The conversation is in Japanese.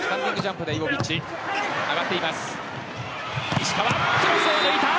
石川、クロスを抜いた。